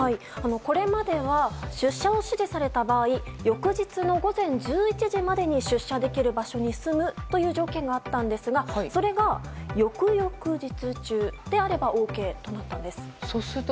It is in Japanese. これまでは出社を指示された場合翌日の午前１１時までに出社できる場所に住むという条件があったんですがそれが翌々日中であればＯＫとなったんです。